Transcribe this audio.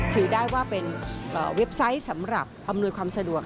ถือได้ว่าเป็นเว็บไซต์สำหรับอำนวยความสะดวก